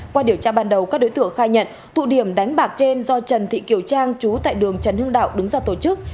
qua điều tra ban đầu các đối tượng khai nhận thụ điểm đánh bạc trên do trần thị kiều trang chú tại đường trần hương đạo đứng sau tổ chức